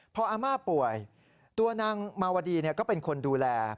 พออาม่าป่วยตัวนางมาวดีก็เป็นคนดูแล